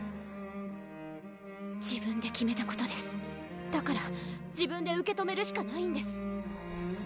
・自分で決めたことですだから自分で受け止めるしかないんです